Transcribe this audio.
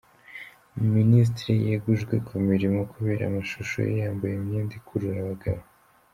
Minisitiri yegujwe ku mirimo, kubera amashusho ye yambaye imyenda ikurura abagabo